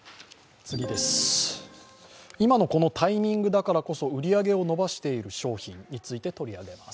今のタイミングだからこそ売り上げを伸ばしている商品について取り上げます。